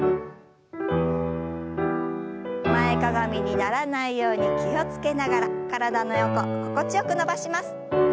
前かがみにならないように気を付けながら体の横心地よく伸ばします。